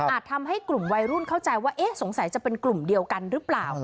ทำให้กลุ่มวัยรุ่นเข้าใจว่าเอ๊ะสงสัยจะเป็นกลุ่มเดียวกันหรือเปล่า